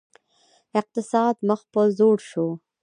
اقتصاد مخ په ځوړ شو